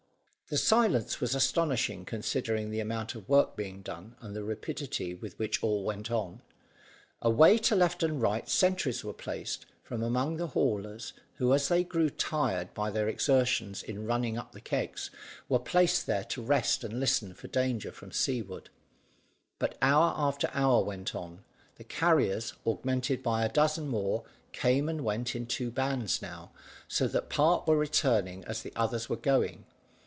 The silence was astonishing, considering the amount of work being done and the rapidity with which all went on. Away to left and right sentries were placed, from among the haulers who, as they grew tired by their exertions in running up the kegs, were placed there to rest and listen for danger from seaward; but hour after hour went on, the carriers, augmented by a dozen more, came and went in two bands now, so that part were returning as the others were going.